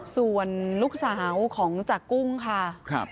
ส่วนลูกสาวของจากกุ้งค่ะ